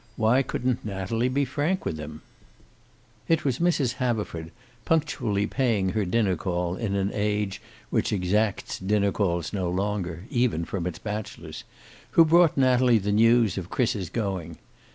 Why couldn't Natalie be frank with him? It was Mrs. Haverford, punctually paying her dinner call in an age which exacts dinner calls no longer even from its bachelors who brought Natalie the news of Chris's going.